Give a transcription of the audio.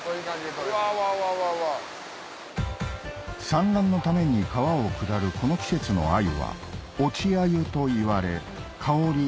産卵のために川を下るこの季節のアユは落ちアユといわれ香り